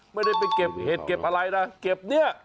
ไม่ได้ไปเก็บเหตุเก็บอะไรนะ